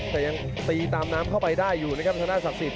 แต่ยังตีตามน้ำเข้าไปได้อยู่นะครับทางด้านศักดิ์สิทธ